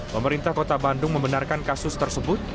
pemerintah kota bandung membenarkan kasus tersebut